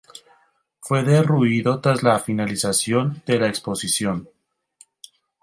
Fue derruido tras la finalización de la Exposición.